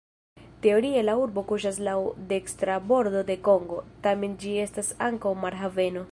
Teorie la urbo kuŝas laŭ dekstra bordo de Kongo, tamen ĝi estas ankaŭ marhaveno.